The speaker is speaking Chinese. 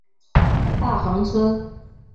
大衡村。